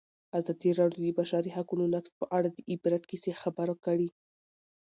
ازادي راډیو د د بشري حقونو نقض په اړه د عبرت کیسې خبر کړي.